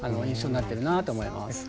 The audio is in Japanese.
印象になってるなって思います。